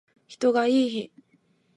人がいーひん